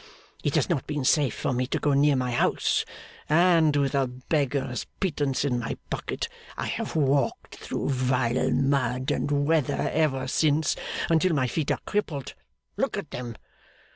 It has not been safe for me to go near my house; and, with a beggar's pittance in my pocket, I have walked through vile mud and weather ever since, until my feet are crippled look at them!